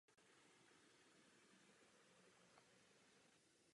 V obci se také nachází bývalá synagoga.